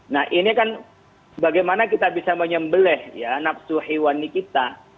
nah ini kan bagaimana kita bisa menyembeleh ya nafsu hewani kita